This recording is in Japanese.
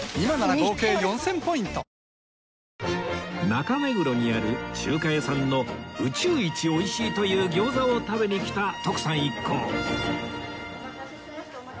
中目黒にある中華屋さんの宇宙一美味しいという餃子を食べに来た徳さん一行お待たせしました。